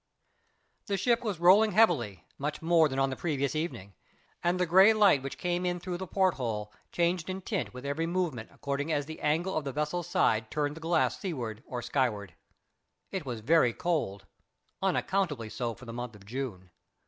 The ship was rolling heavily, much more than on the previous evening, and the grey light which came in through the porthole changed in tint with every movement according as the angle of the vessel's side turned the glass seawards or skywards. It was very cold unaccountably so for the month of June.